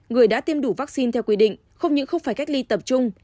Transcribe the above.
người đã tiêm đủ vaccine theo quy định không những không phải cách ly tập trung